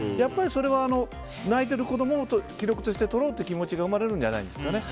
それは、泣いてる子供を記録として撮ろうという気持ちが生まれるんじゃないですかね